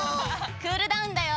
クールダウンだよ。